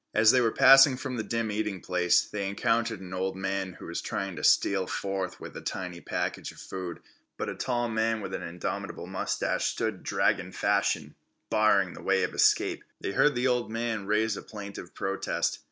As they were passing from the dim eating place, they encountered an old man who was trying to steal forth with a tiny package of food, but a tall man with an indomitable moustache stood dragon fashion, barring the way of escape. They heard the old man raise a plaintive protest.